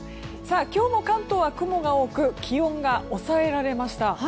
今日も関東は雲が多く気温が抑えられました。